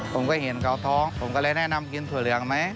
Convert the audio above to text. ผมก็เห็นเขาท้องผมก็เลยแนะนำกินถั่วเหลืองไหม